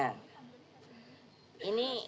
ini dia nih